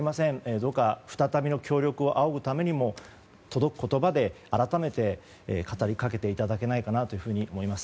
どうか、再びの協力を仰ぐためにも届く言葉で改めて語りかけていただけないかなと思います。